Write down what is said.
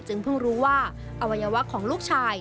เพิ่งรู้ว่าอวัยวะของลูกชาย